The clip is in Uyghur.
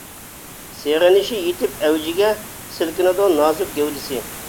سېغىنىشى يېتىپ ئەۋجىگە، سىلكىنىدۇ نازۇك گەۋدىسى.